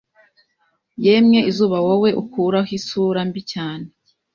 Yemwe izuba wowe ukuraho isura mbi cyane